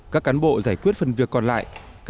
các cán bộ giải quyết phần việc còn lại